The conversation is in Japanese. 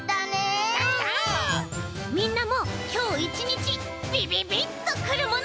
みんなもきょう１にちビビビッとくるもの。